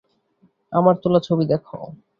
আমার তোলা ছবি দেখো।